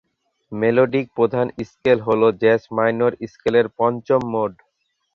Melodic প্রধান scale হল jazz minor স্কেলের পঞ্চম মোড।